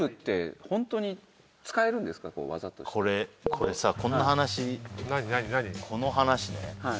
これさこんな話この話ね。